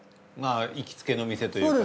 行きつけの店というか。